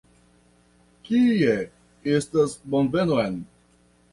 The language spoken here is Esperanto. Kie estas bonvenon?